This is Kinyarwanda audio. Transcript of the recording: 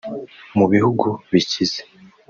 Mu bihugu bikize